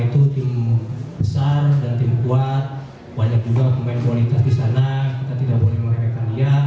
banyak juga pemain pemain yang tetap di sana kita tidak boleh meraihkan dia